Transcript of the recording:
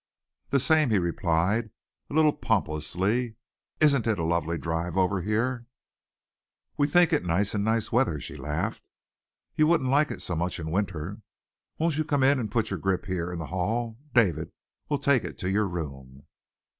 "The same," he replied, a little pompously. "Isn't it a lovely drive over here?" "We think it nice in nice weather," she laughed. "You wouldn't like it so much in winter. Won't you come in and put your grip here in the hall? David will take it to your room."